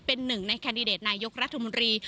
เป็นหนึ่งในแคนดิเดตนายกรัฐมนตรี